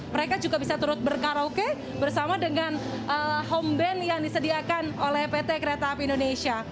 mereka juga bisa turut berkaraoke bersama dengan home band yang disediakan oleh pt kereta api indonesia